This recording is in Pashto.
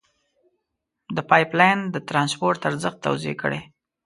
د پایپ لین د ترانسپورت ارزښت توضیع کړئ.